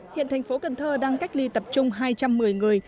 hiện thành phố cần thơ đang cách ly tập trung hai trăm một mươi người